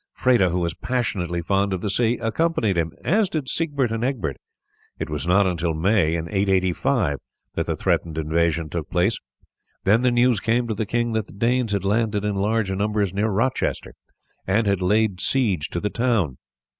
Freda, who was passionately fond of the sea, accompanied him, as did Siegbert and Egbert. It was not until May in 885 that the threatened invasion took place. Then the news came to the king that the Danes had landed in large numbers near Rochester and had laid siege to the town.